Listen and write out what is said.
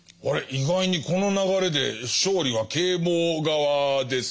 意外にこの流れで勝利は啓蒙側ですか？